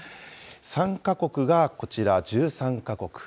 参加国がこちら、１３か国。